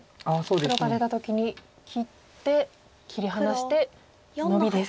黒が出た時に切って切り離してノビです。